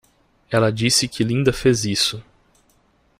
Ela disse que Linda fez isso!